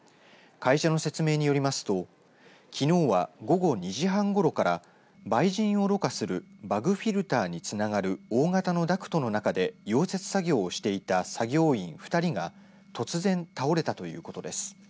会社の説明によりますときのうは午後２時半ごろからばいじんをろ過するバグフィルターにつながる大型のダクトの中で溶接作業をしていた作業員２人が突然、倒れたということです。